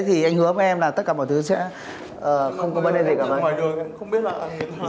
thì anh hứa với em là tất cả mọi thứ sẽ không có vấn đề gì cả anh